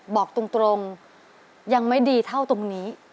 บอกตรงยังไม่ดีเท่าตรงนี้